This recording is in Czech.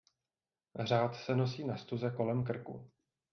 Řád se nosí na stuze kolem krku.